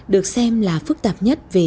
được xem là phức tạp nhất về